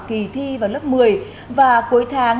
kỳ thi vào lớp một mươi và cuối tháng